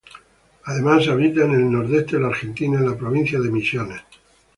Además habita en nordeste de la Argentina, en la provincia de Misiones.